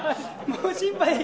もう心配で。